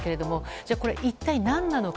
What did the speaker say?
じゃあこれ一体何なのか。